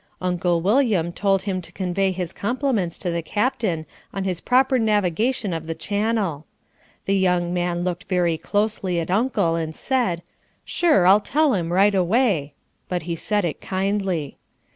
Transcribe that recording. Uncle William told him to convey his compliments to the captain on his proper navigation of the channel. The young man looked very closely at Uncle and said, "Sure, I'll tell him right away," but he said it kindly.